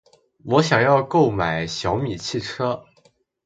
我想要购买小米汽车。